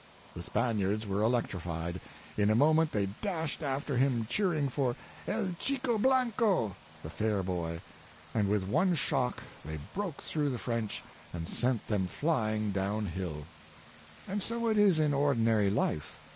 The Spaniards were electrified; in a moment they dashed after him, cheering for ''''El chico bianco !" (the fair boy), and with one shock they broke through the French and sent them flying down hill. And so it is in ordinary life.